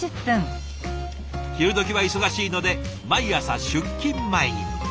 昼どきは忙しいので毎朝出勤前に。